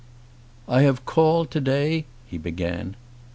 "I have called to day " he began.